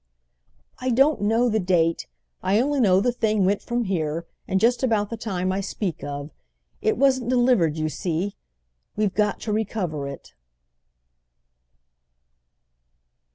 "I don't know the date. I only know the thing went from here, and just about the time I speak of. It wasn't delivered, you see. We've got to recover it."